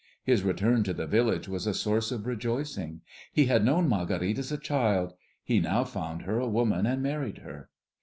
His return to the village was a source of rejoicing. He had known Marguerite as a child; he now found her a woman, and married her.